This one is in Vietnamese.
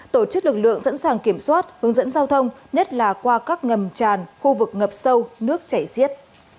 tổ chức lực lượng sẵn sàng kiểm soát hướng dẫn giao thông nhất là qua các ngầm tràn khu vực ngập sâu nước chảy xiết